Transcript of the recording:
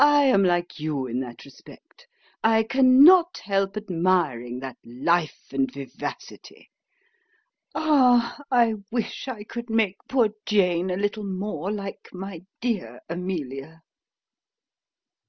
I am like you in that respect. I can not help admiring that life and vivacity. Ah ! (a sigh) I wish I could make poor Jane a little more like my dear Amelia